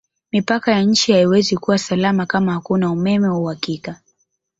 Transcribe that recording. Mipaka ya nchi haiwezi kuwa salama kama hakuna Umeme wa uhakika